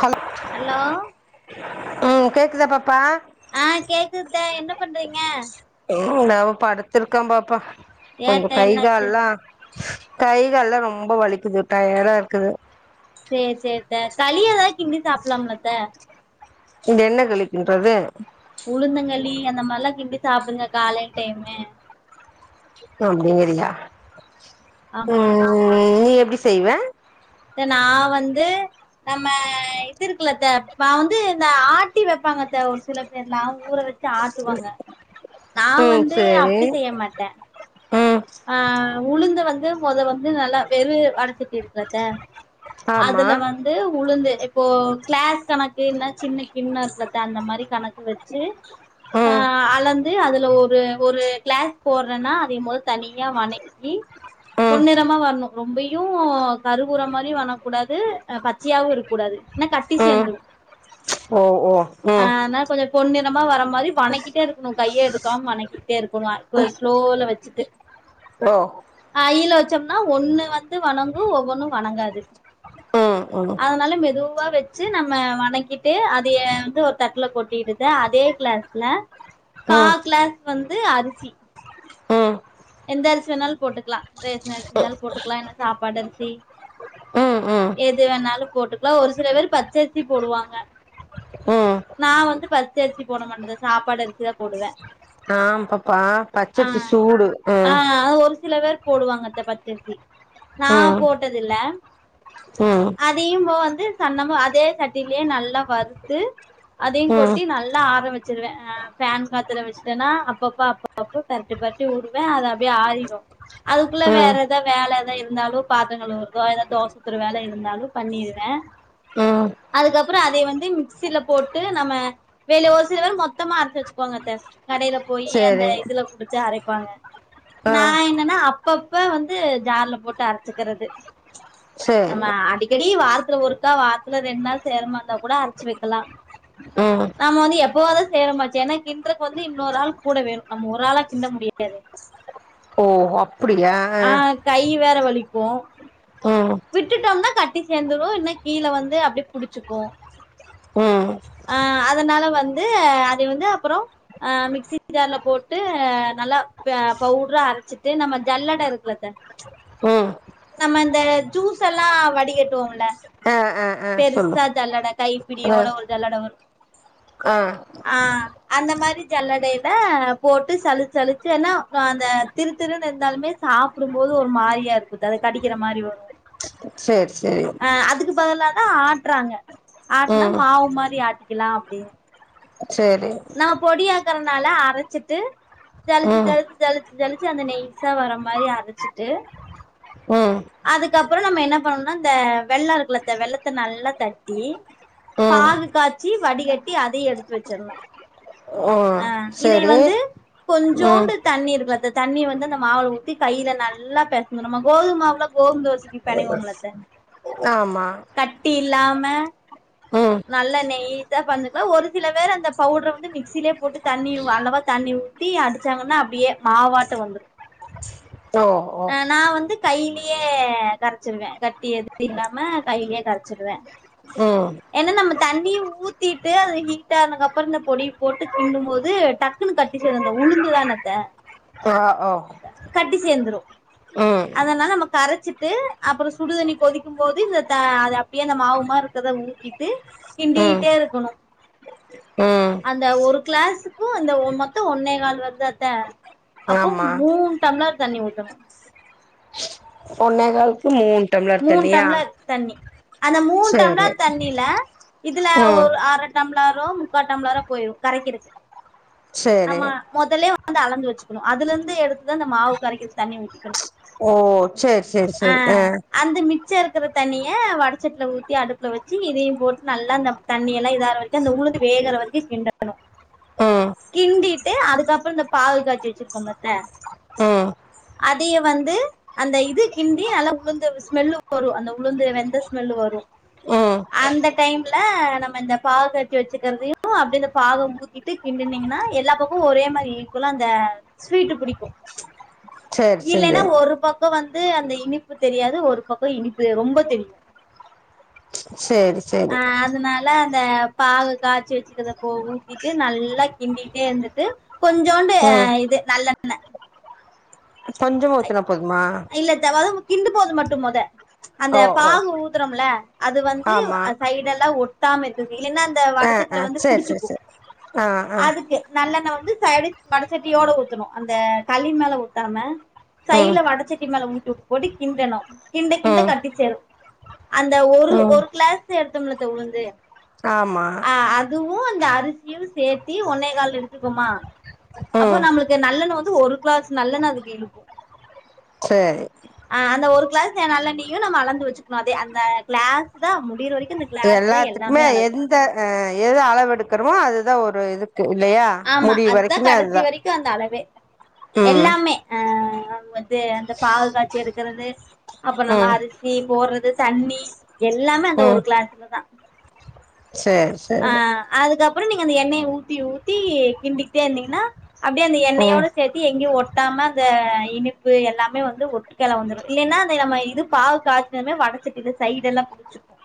Hello hello ம் கேக்குதா பாப்பா அ கேக்குத்தா என்ன பண்றீங்க ம் நா படுத்திருக்கே பாப்பா கொஞ்ச ஏத்த கை என்னாச்சு கால்லா கை கால்லா ரொம்ப வலிக்குது டயர்டா இருக்குது சேர் சேர் த்த களி எதாவது கிண்டி சாப்லாம்ல அத்த இங்க என்ன களி கின்றது உளுந்தங்களி அந்த மாரிலா கிண்டி சாப்டுங்க காலைல டைம்மு அப்டிங்கிறியா ஆமா ம் நீ எப்டி செய்வ அத்த நா வந்து நம்ம இது இருக்குலத்த நா வந்து இந்த ஆட்டி வைப்பாங்க அத்த ஒரு சில பேர்ல ஊற வச் ச்சி ஆட்டுவாங்க நா ம் வந்து சேரி அப்டி செய்ய மாட்டே ம் ஆ உளுந்த வந்து மொத வந்து நல்லா வெரு வடச்சட்டி இருக்குலத்த ஆமா அதுல வந் து உளுந்து இப்போ கிளாஸ் கணக்கு இல்னா சின்ன கின்ன இருக்குல்லத்த அந்த மாரி கணக்கு வச்சு ஆ ம் அளந்து அதுல ஒரு ஒரு கிளாஸ் போடுறேன்னா அதே மொ தனியா வனக்கி ம் பொன்னிறமா வரணு ரொம்பையு கருவுற மாரி வனக்கூடாது பச்சையாவு இருக்கூடாது இன்னா கட்டி ம் சேர்ந்துரு ஓ ஓ ஆ ம் அதுனால கொஞ்ச பொன்னிறமா வர மாரி வணக்கிட்டே இருக்குணு கையே எடுக்காம வணக்கிட்டே இருக்குணு இப்ப ஸ்லோவ்ல வச்சுட்டு அலோ ஐயில வச்சம்னா ஒன்னு வந்து வனங்கும் ஒவ்வொன்னு வனங்காது ம் அதனால மெதுவா வச்சி நம்ம வனக்கிட்டு அதைய வந்து ஒரு தட்டுல கொட்டிடுது அதே கிளாஸ் ல கா ம் கிளாஸ் வந்து அரிசி ம் எந்த அரிசி வேணாலு போட்டுக்லா ரேசனரிசி இருந்தாலு போட்டுக்லா இல்ல சாப்பாட்டு அரிசி ம் ம் எது வேணாலு போட்டுக்லா ஒரு சில பேர் பச்சரிசி போடுவாங்க ம் நா வந்து பச்சரிசி போட மட்டேதா சாப்பாடு அரிசிதா போடுவே ஆ பாப்பா ஆ பச்சரிசி சூடு ஆ ம் அ ஒரு சில பேர் போடுவாங்கத்த பச்சரிசி நா ம் போட்டதில்ல ம் அதையு போவ வந்து சன்னம அதே சட்டிலியே நல்லா வறுத்து அதையு ம் கொட்டி நல்லா ஆற வச்சிருவே ஆ ஃபேன் காத்துல வச்சட்டேன்னா அப்பப்ப அப்ப அப்பபோ பெரட்டி பெரட்டி வுடுவே அது அப்டியே ஆறிரு அதுக்குள்ள வேற ம் எதா வேல எதா இருந்தாலு பாத்தர கழுவுறதோ இல்ல தோச ஊத்துற வேல இருந்தாலு பண்ணிடுவே ம் அதுக்கப்றோ அத வந்து மிக்சில போட்டு நம்ம [unintelligible] ஒரு சில பேர் மொத்தமா அரைச்சி வச்சுகுவாங்கத்த கடையில போயி அந்த சேரி இதுல குடுத்து அரைப்பாங்க ஆ நா என்னென்னா அப்பப்ப வந்து ஜார்ல போட்டு அரைச்சிக்கிறது சேரி நம்ம அடி க்கடி வாரத்துல ஒருக்கா வாரத்துல ரெண்ட்நாள் சேரமாரிந்தா கூட அரைச்சு வைக்கலா ஓ நாம வந்து எப்பவாதா செய்றமாச்சே ஏன்னா கிண்டறக்கு வந்து இன்னொரு ஆள் கூட வேணு நம்ம ஒரு ஆளா கிண்ட முடியாதே ஓ அப்டியா ஆ கை வேற வலிக்கு ம் விட்டுட்டோம்னா கட்டி சேந்துடு இல்னா கீழ வந்து அப்டியே புடிச்சிக்கு ம் அ அதனால வந்து அது வந்து அப்றோ ஆ மிக்சி ஜார்ல போட்டு நல்லா ப பவுட்ரா அரச்சிட்டு நம்ம ஜல்லடை இருக்குலத்த ம் நம்ம இந்த ஜூஸ் எல்லா வடிகட்டுவோம்ல ஆ ஆ ஆ சொல்லு பெருசா ஜல்லட ஆ கைப்பிடியோட ஒரு ஜல்லட வரு ஆ ஆ அந்த மாதிரி ஜல்லடையில போட்டு சளிச் சளிச்சு ஏன்னா ஆ அந்த திருத்திருனு இருந்தாலுமே சாப்பிடும்போது ஒரு மாரியா இருக்குந்தானே கடிக்கிற மாரி வரு சேர் செரி ஆ அதுக்கு பதிலதா ஆட்டுறாங்க ஆட்னா ம் மாவு மாதிரி ஆட்டிக்கலாம் அப்படின்னு சேரி நா பொடியாக்கறனால அரைச்சிட்டு தளுச்சு ம் தளுத்து தழுச்சி தளிச்சு அந்த நெய்ஸா வர மாதிரி அரைச்சிட்டு உம் அதுகாப்த நம்ம என்ன பண்ணும்னா இந்த வெள்ள இருக்கல வெள்ளத்த நல்லா தட்டி ம் பாகு காய்ச்சி வடிகட்டி அதையு எடுத்து வச்சிர்ணு ஓ அ இதை சேரி வந்து ம் கொஞ்சோண்டு தண்ணி இருக்குல அந்த தண்ணி வந்து அந்த மாவுல ஊத்தி கையில நல்லா பெசந்து நம்ம கோது மாவுல கோதும் தோசைக்கு பெனைவோம்ல அத்த ஆமா கட்டி இல்லாம ம் நல்லா நெய்ஸா பனைைஞ்சுக்லா ஒரு சில வேர் அந்த பவுட்ர வந்து மிக்சிலே போட்டு தண்ணி அளவா தண்ணி ஊத் தி அடிச்சாங்கன்னா அப்டியே மாவாட்ட வந்துரு ஓ ஓ அ நா வந்து கையிலயே கரச்சிருவே கட்டி எது இல்லாம கையிலே கரச்சிருவே ம் ஏனா நம்ம தண்ணி ஊத்திட்டு அது ஹீட் ஆகுனக்கு அப்புறோ இந்த பொடி போட்டு கிண்டும் போது டக் டக்குன்னு கட்டி சேரு அந்த உளுந்து ஆனது வ ஓ கட்டி சேந்துரு ம் னால நம்ம கரச்சிட்டு அப்றோ சுடுதண்ணி கொதிக்கும் போது இந்த த அது அப்டியே அந்த மாவுமா இருக்கத ஊத் திட்டு ம் கிண்டிட்டே இருக்கணு ம் அந்த ஒரு கிளாஸுக்கு இந்த ஒ மொத்தோ ஒன்னே கால் வருதா அத்த அப்போ ஆமா மூன் டம்ளர் தண்ணி ஊத்தணு ஒன்னே கால்க்கு மூன் மூன் டம்ளர் தண்ணி அந்த மூன் சேரி டம்ளர் தண்ணில இதுல ம் ஒரு அர டம்ளரோ முக்கா டம்ளரோ போயிரு கரைக்றக்கு சேரி நம்ம மொதலே வந்து அலந்து வச்சுக்கணு அதுல இருந்து எடுத்துதா அந்த மாவு கரைக்றது தண்ணி ஊத்திக்கணு ஓ சரி சரி ஆ சரி அ அந்த மிச்ச இருக்ற தண்ணிய வடச்சட்டில ஊத்தி அடுப்புல வச்சு இதையு போட்டு நல்லா அந்த தண்ணி எல்லா இதாற வரைக்கு அந்த உளுந்து வேகுற வரைக்கு கிண்டணு ஆ ம் கிண்டிட்டு அதுக்கப்றோ இந்த பாகு காய்ச்சி வச்சிருக்கோமா அத்த ம் அதையே வந்து அந்த இது கிண்டி நல்ல உளுந்து ஸ்மெல்லு வரு அந்த உளுந்து வெந்த ஸ்மெல்லு வரு ம் அந்த டைம்ல நம்ம இந்த பாகு காச்சி வச்சுக்கிறதையு அப்டி இந்த பாக ஊத் திட்டு கிண்டுனீங்ன்னா எல்லா பக்கமு ஒரே மாதிரி ஈக்குவலா அந்த ஸ்வீட்டு பிடிக்கு சேரி சேரி இல்லைன்னா ஒரு பக்கோ வந்து அந்த இனிப்பு தெரியாது ஒரு பக்கோ இனிப்பு ரொம்ப தெரியு சரி ஆ அதனா ல அந்த பாக காய்ச்சு வச்சுக்கத போ ஊத்திட்டு நல்லா கிண்டிட்டே இருந்துட்டு கொஞ்சோண்டு ம் இது நல்ல கொஞ்சமா ஊத்துனா போதுமா இல்லத்த வருமு கிண்டும் போது மட்டு மொத அந்த ஓ ஓ பாகு ஊத்துறோம்ல அது வந்து ஆமா அ சைடெல் ல ஒட்டாம இருக்கதுக்கு இல்லன்னா அந்த ஆ ஆ வடசட்டில வந்து சேரி சேரி புடிச்சிக்கு சேரி ஆ ஆ அதுக்கு நல்லெண்ண வந்து சைடு வடைச்சட்டியோட ஊத்தணு அந்தே களி மேல ஊத்தாம சைட்ல ம் வடச்சட்டி மேல ஊத்தி போட்டு கிண்டனு கிண்ட கிண்ட ம் கட்டிச்சேரு அந்த ஒரு ம் ஒரு கிளாஸ் எடுத்தம் பாத்திய உளுந்து ஆமா அதுவும் அந்த அரிசியும் சேத்தி ஒன்னே கால் எடுத்துக்கோமா அப்போ ம் நம்மளுக்கு நல்லண்ணன்னு வந்து ஒரு கிளாஸ் நல்லண்ணே அதுக்கு இழுக்கும் சேரி ஆ அந்தே ஒரு கிளாஸ் நல்யேண்ணையும் நம்மே அளந்து வச்சிக்கணும் அதே அந்த கிளாஸ் தா முடிற வரைக்கும் எல்லாத்துக்குமே எந்த எது அளவு எடுக்கிறோமோ அதுதா ஒரு இது ஆமா அதுதா கடைசி வரைக்கும் அந்த அளவே ம் எல்லாமே அ வந்து அந்த பாகு காய்ச்சி எடுக்கிறது அப்புறம் நம்ம ம் அரிசி போடுறது தண்ணி எல்லாமே அந்த ஒரு கிளாஸ்லதா செரி ஆ அதுக்கப்புறம் நீங்க அந்த எண்ணெயை ஊத்தி ஊத்தி கிண்டிக்கிட்டே இருந்தீங்கன்னா அப்பிடியே அந்த ம் எண்ணயோடே சேத்து எங்கயும் ஒட்டாம அந்த இனிப்பு எல்லாமே வந்து ஒட்டுக்கல வந்துரும் இல்லைன்னா நம்ம இது பாகு காச்சி வடச்சட்டிலே சைடு எல்லா புடிச்சுக்கும்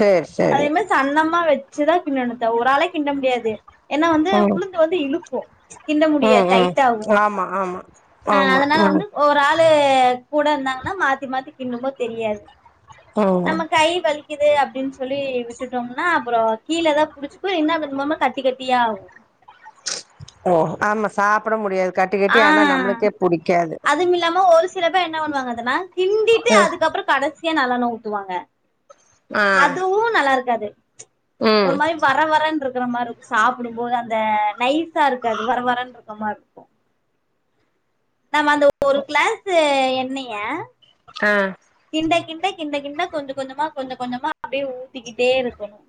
சேரி சேரி அதேமரி சன்னமா வெச் சீறா கிண்டனு த்தே ஒரு ஆளே கிண்டே முடியாது ஏனா வந்து ம் உளுந்து வந்து இழுக்கும் கிண்டே ம் முடியது ம் டயிட் ஆகும் ஆமா ஆமா ஆமா அதனால ம் வந்து ஒரு ஆளு கூட இருந்தாங்கன்னா மாத்தி மாத்தி கின்டும்போது தெரியாது ம் நம்ம கை வலிக்குது அப்பிடின்னு சொல்லி விட்டுட்டோம்னா அப்புறோ கீழேலெல்ல புடிச்சிக்கும் என்னே [unintelligible] கட்டி கட்டியாகும் ஓ ஆமா சாப்பிட முடியாது கட்டி ஆ கட்டி ஆனா நம்மளுக்கே புடிக்காது அதுவும் இல்லாமே ஒரு சில பேர் என்ன பண்ணுவாங்க அத நா கிண்டிட்டு ம் அதுக்கப்புறோ கடைசியா நல்லண்ணே ஊத்துவாங்க ஆ அதுவும் நல்லா இருக்காது ம் ஒரு மாறி வர வரன்னு இருக்கிற மாறாயிருக்கும் சாப்பிடும் போது அந்த நைஸா இருக்காது வர வரேன்னு இருக்குற மாறி இருக்கும் நாம அந்த ஒரு கிளாஸ் என்னைய ஆ கிண்டே கிண்டே கிண்டே கிண்டே கொஞ்சோ கொஞ்சோமா கொஞ்சோ கொஞ்சோமா அப்பிடியே ஊத்திக்கிட்டே இருக்கணும்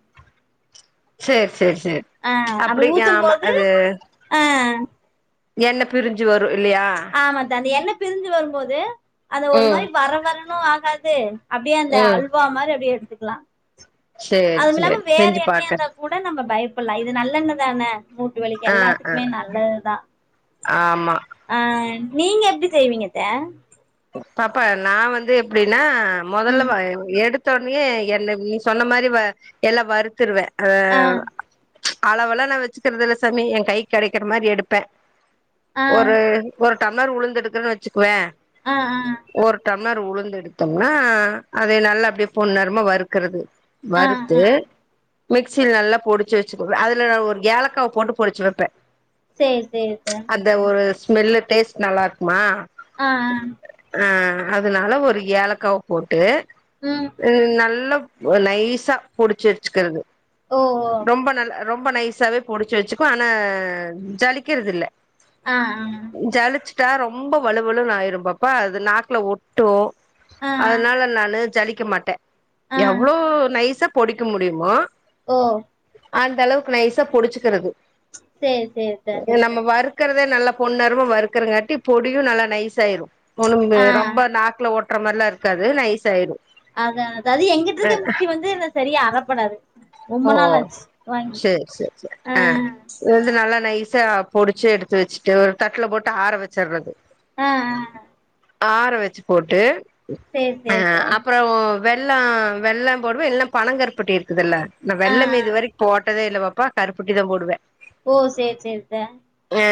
சேரி சேரி சேரி ஆ அப்படி அப்பிடி ஊத்தும் ஆமா போது அது ஆ என்ன பிரிஞ்சு வரு இல்லையா ஆமாத்த அந்த எண்ணெ பிரிஞ்சி வரும்போது அந்த ஒரு ம் மாறி வர வரணும் ஆகாது அப்பிடியே அந்த ம் அல்வா மாறிஅப்பிடியே எடுத்துக்கலாம் சேரி அதுவும்ல்லாமே சேரி வேற செஞ்சு என்னயா இருந்த பாக்கறே கூட நம்ம பயப்படலா இது நல்லன்னுதானே மூட்டு வலிக்கு ஆ ஆ எல்லாத்துக்குமே நல்லதுதான் ஆமா ஆ நீங்கே எப்பிடி செய்வீங்கே அத்தே பாப்பா நா வந்து எப்படினா முதல்லே ம் வ எடுத்து எடுத்தேடனே என்னை நீ சொன்ன மாதிரி எல்லா வருத்துருவே ஆ அளவெல்லா நா வச்சிக்குறது இல்ல சாமி என் கை கிடைக்கிற மாறி எடுப்பேன் ஆ ஒரு ஒரு டம்ளர் உளுந்து எடுக்குறன்னு வச்சுக்குவே ஆ ஆ ஒரு டம்ளர் உளுந்து எடுத்தோம்னா அதே நல்லா அப்பிடியே பொண்நிரமா வறுக்கிறது ஆ ஆ வறுத்து ஆ மிக்சியில நல்லா பொடிச்சி வச்சுக்குவே அதுலே ஒரு ஏலக்காய போட்டு பொடிச்சி வைப்பேன் சரி சரி அத்தை. அந்த ஒரு ஸ்மெல்லு டேஸ்ட் நல்லா இருக்குமா ஆ அ அதனால ஒரு ஏலக்காவ போட்டு ம் ம் நல்ல நைஸா பொடிச்சு வச்சிகறது ஓ ஓ ரொம்ப நல் ரொம்ப நைஸாவே பொடிச்சு வச்சுக்கோ ஆனா ஜலிக்கிறது இல்ல ஆ ஆ ஜலிச்சுட்டா ரொம்ப வலுவலுனு ஆயிரு பாப்பா அது நாக்குல ஒட்டு ஆ ஆ அதனால நானு ஜலிக்க மாட்ட ஆ எவ்ளோ நைசா பொடிக்க முடியுமோ ஓ அந்த அளவுக்கு நைசா பொடிச்சுகறது சரி சரி அத்தை. நம்ம வரு க்கறதே நல்ல பொண்ணரமா வறுக்கறங்காட்டி பொடியு நல்லா நைஸ் ஆய்ரு ஒ ஆ ரொம்ப நாக்குல ஒட் ட்ற மாரிலா இருக்காது நைஸ் ஆய்ரு அத அது எங்கிட்ட இருக்க மிக்சி வந்து ந சரியா அரப்படாது ரொம்ப நாள் ஆச்சு வாங்கி ச ச ஆ அ இது நல்லா நைஸா பொடிச்சு எடுத்து வச்சுட்டு ஒரு தட்டுல போட்டு ஆற வச்சுர்றது அ அ அ ஆற வச்சு போட்டு சரி அ சரி அத்தை. அப்புறோ வெள்ளோ வெள்ளோ போடுவ இல்ன்னா பணங்கருப்பட்டி இருக்குதுல்ல ந ஆ வெள்ளமே ஆ. இது வரைக் போட்டதே இல்ல பாப்பா கருப்பட்டி தா போடுவ ஓ சேர் சேரித்த அ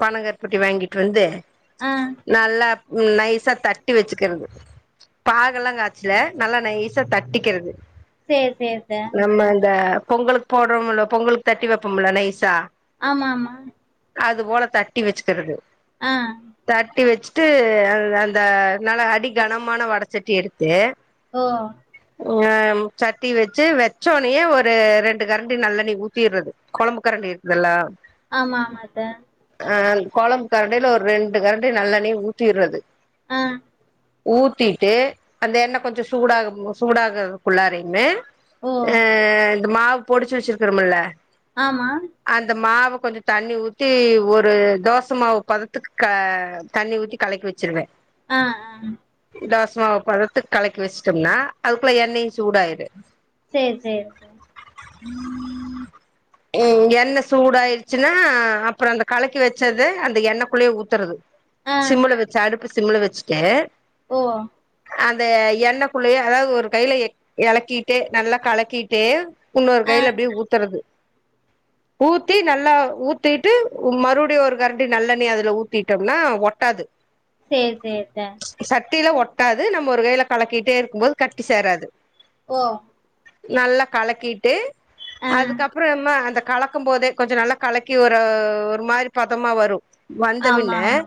பனங்கருப்பட்டி வாங்கிட்டு வந்து அ நல்லா நைசா தட்டி வச்சுகறது பாகெல்லா காச்சல நல்லா நைஸ் சா தட்டிக்கிறது சேரி சேரி அத்த நம்ம இந்த பொங்கலுக் கு போடுறோம்ல்ல பொங்கலுக்கு தட்டி வைப்போமுல்ல நைசா ஆமா ஆமா அது போல தட்டி வச்சுகறது அ தட்டி வச்சிட்டு அ அந்த நல்ல அடிகனமான வடச்சட்டி எடுத்து ஓ அம் சட்டி வச்சு வெச்சோனயே ஒரு ரெண்டு கரண்டி நல்லெண்ணய ஊத் திர்றது கொழம்பு கரண்டி இருக்குதுல்ல ஆமா ஆமாத்த அ கொழம்பு கரண்டில ஒரு ரெண்டு கரண்டி நல்லெண்ணய ஊத்திறது அ ஊத்திட்டு அந்த எண்ணெ கொஞ்சோ சூடாகும் சூடாககுள்ளாரைமே ஓ அ இந்த மாவு பொடிச்சு வச்சிருக்கிறோம்முல்ல ஆமா அந்த மாவ கொஞ்சோ தண்ணி ஊத்தி ஒரு தோச மாவு பதத்துக்கு க தண்ணி ஊத்தி கலக்கி வச்சிருவ ஆ அ தோசைமா பதத்துக் கலக்கி வச்சுட்டம்னா அதுக்குள்ள எண்ணெயு சூடாய்ரு சேர் சேரித்த ம் ம் எண்ண சூடாயிடுச்சுன்னா அப்பறோ அந்த கலக்கி வெச்சது அந்த எண்ணக்குள்ளே ஊத்தறது ஆ சிம்முள வெச்சு அடுப்பு சிம்முள வெச்ட்டு ஓ அந்த எண்ண குள்ளயே அதாது ஒரு கைல எ எலக்கீட்டு நல்லா கலக்கீட்டு உன்னொரு ஆ கைல அப்டியே ஊத்தறது ஊத்தி நல்லா ஊத்தீட்டு உ மறுபடியு ஒரு கரண்டி நல்லெண்ணய அதுல ஊத்திட்டம்ன்னா ஒ ஒட்டாது சேர் சேர்தா சட்டீல ஒட்டாது நம்ம ஒரு கைல கலக்கீட்டே இருக்கும் போது கட்டி சேராது ஓ நல்லா கலக்கீட்டு ஆ அதுக்கப் அப்பறோம்ம அந்த கலக்கம் போதே கொஞ்சோ நல்லா கலக்கி ஒரு ஒரு மாரி பதமா வரு வந்த ஆமா பின்ன ஆமா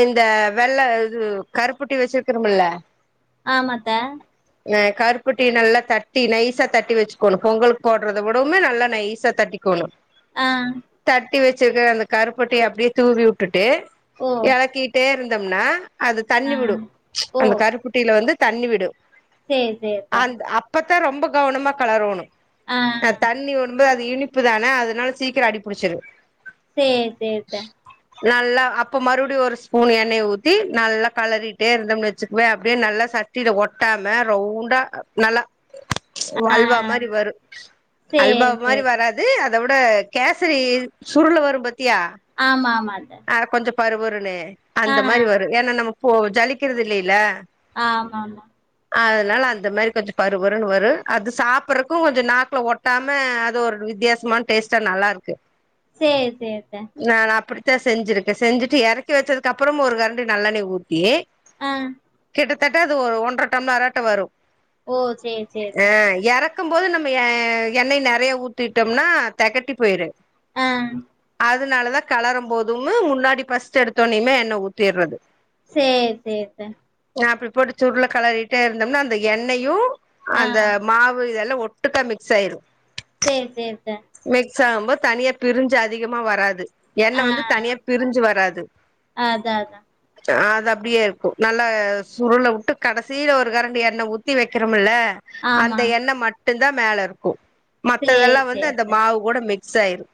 இந்த வெள்ள இது கருப்பட்டி வச்சிருக்கரமுல்ல ஆமாத்த ஏ கருப்பட்டி நல்லா தட்டி நைசா தட்டி வெச்சுக்கோணு பொங்கலுக் போட்றத விடவுமே நல்லா நைசா தட்டி கோன்னு ஆ தட்டி வெச்சிருக்கற அந்த கருப்பட்டிய அப்டியே தூவியூட்டுட்டு ஓ கலக்கீட்டே இருந்தம்ன்னா அது ஆ தண்ணி விடு ஓ அந்த கருப்பட்டீல வந்து தண்ணி விடு சேரி சேரி டா அப்பத்தா‌ ரொம்ப கவனமா கலறோணு ஆ தண்ணீ ஓடும்போது அது இனிப்பு தான அதனால சீக்கரோ அடிப்புடிச்சிரு சேர் சேரித்த நல்லா அப்ப மறு டி ஒரு ஸ்பூன் எண்ணைய ஊத்தி நல்லா கலறிட்டே இருந்தம்னு வச்சுக்குவே அப்டே நல்லா ச சட்டில ஒட்டாம ரவுண்டா நல்லா ஆ வால்வா மாரி வரு அல்பா சேரி சேரி மாரி அத்த வரா து அத விட கேசரி சுருளு வரு பாத்தியா ஆமா ஆமா த அத கொஞ்சோ பரு பருன்னு அந்த மாரி வரு ஏன்னா நம்ம போ ஜலிக்கறது இல்லையில்ல ஆமாம்மா அதனால அந்த மாரி கொஞ்சோ பரு பருன்னு வரு அது சாப்பட்றக்கு கொஞ்சோ‌ நாக்ல ஒட் ட்டாம அது ஒரு வித்தியாஸமான டேஸ்டா நல்லா இருக்கு சேர் சேர்த்த நான் அப்படித்தா செஞ்சிருக்க செஞ்சிட்டு எறக்கி வெச்சதுக்கு அப்பறமு ஒரு கரண்டி நல்லெண்ணய ஊத்தி ஆ கிட்டத்தட்ட அது ஒ ஒன்ற டம்ளராட்டு வரு ஓ சேரி சேரி அ த்த யாராவ் எறக்கும் போது நம்ம எ எண்ணெய் நறையா ஊத்திட்டம்னனா தெகட்டி போய்ரு ஆ அதுனாலதா கலரும் போதுமு முன்னாடி ஃபஸ்ட் எடுத்தோன்னியுமே எண்ண ஊத்திர்றது சேர் சேர் த நா அப்டி போட்டு சுருல களறிட்டே இருந்தோம்னா அந்த எண்ணயு ஆ அந்த மாவு இதெல்லா ஒட் டுக்கா மிக்ஸ் ஆய்ரு சேர் சேர் த மிக்ஸ் ஆகும்போத் தனியா பிருஞ்சு அதிகமா வராது எண்ண ஆ வந்து தனியா பிருஞ்சு வராது அதா அதா ஆ அது அப்டியே இருக்கும் நல்லா சுருள விட்டு கடைசில ஒரு கரண்டி எண்ண ஊத்தி வெக்கிறோமில்ல ஆமா அந்த எண்ண மட்டுந்தா மேலருக்கும் சேரி மத்ததெல்லா வந்து சேரி அந்த த்த மாவு கூட மிக்ஸ் ஆய்ரு